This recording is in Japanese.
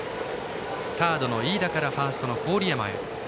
サードの飯田からファーストの郡山へ。